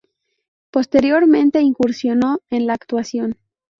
Posteriormente incursionó en la actuación.